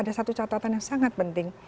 ada satu catatan yang sangat penting